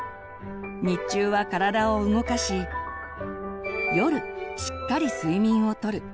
日中は体を動かし夜しっかり睡眠をとる。